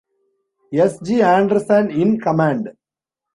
S. G. Anderson, in command.